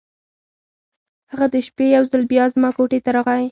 هغه د شپې یو ځل بیا زما کوټې ته راغی.